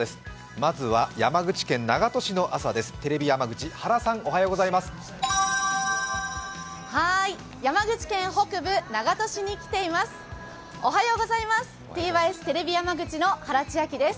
まずは山口県長門市の朝です。